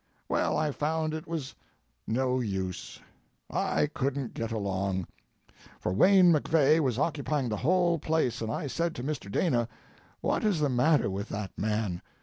Well, I found it was no use, I couldn't get along, for Wayne MacVeagh was occupying the whole place, and I said to Mr. Dana, "What is the matter with that man?